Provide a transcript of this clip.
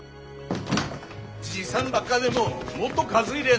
じいさんばっかでももっと数いりゃあ